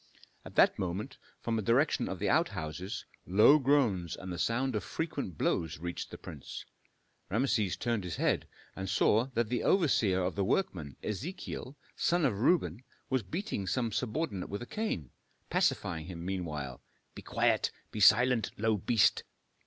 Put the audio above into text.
At that moment, from the direction of the outhouses, low groans and the sound of frequent blows reached the prince. Rameses turned his head, and saw that the overseer of the workmen, Ezechiel, son of Reuben, was beating some subordinate with a cane, pacifying him meanwhile, "Be quiet! be silent, low beast!"